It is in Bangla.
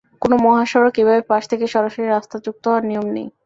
কোনো মহাসড়কে এভাবে পাশ থেকে সরাসরি রাস্তা যুক্ত হওয়ার নিয়ম নেই।